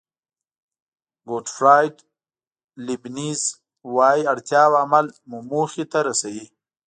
ګوټفراید لیبنېز وایي اړتیا او عمل مو موخې ته رسوي.